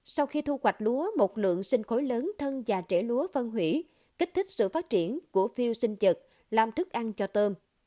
sau khi thu hoạch lúa một lượng sinh khối lớn thân và trễ lúa phân hủy kích thích sự phát triển của phiêu sinh dật làm thức ăn cho tôm